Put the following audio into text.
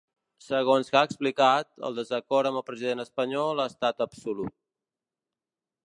Segons que ha explicat, el desacord amb el president espanyol ha estat absolut.